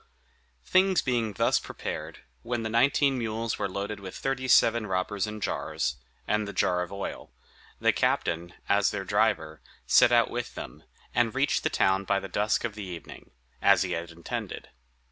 Things being thus prepared, when the nineteen mules were loaded with thirty seven robbers in jars, and the jar of oil, the captain, as their driver, set out with them, and reached the town by the dusk of the evening, as he had intended.